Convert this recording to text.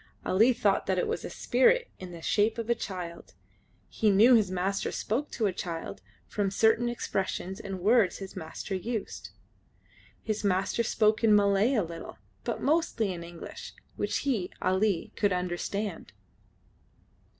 Ali thought that it was a spirit in the shape of a child. He knew his master spoke to a child from certain expressions and words his master used. His master spoke in Malay a little, but mostly in English, which he, Ali, could understand.